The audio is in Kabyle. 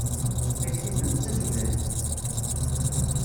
Takti-nnem d tazulalt.